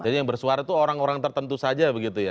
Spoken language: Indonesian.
jadi yang bersuara itu orang orang tertentu saja begitu ya